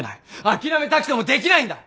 諦めたくてもできないんだ！